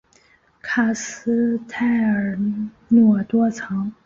卡斯泰尔诺多藏。